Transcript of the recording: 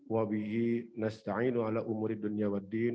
wa bihi nasta'inu ala umurid dunya wa din